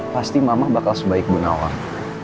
pasti mamah bakal sebaik bu nawang